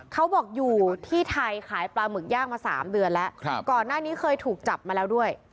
เขาบอกอยู่ที่ไทยขายปลาหมึกย่างมา๓เดือนแล้วก่อนหน้านี้เคยถูกจับมาแล้วด้วย